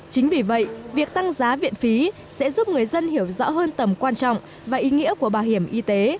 chính vì vậy việc tăng giá viện phí sẽ giúp người dân hiểu rõ hơn tầm quan trọng và ý nghĩa của bảo hiểm y tế